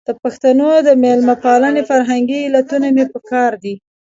د پښتنو د مېلمه پالنې فرهنګي علتونه مې په کار دي.